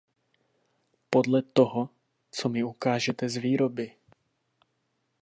Podle toho, co mi ukážete z výroby.